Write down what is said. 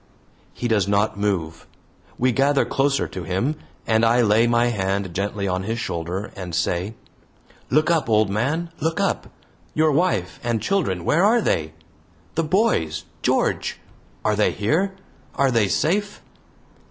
He does not move. We gather closer to him, and I lay my hand gently on his shoulder, and say: "Look up, old man, look up! Your wife and children, where are they? The boys George! Are they here? are they safe?"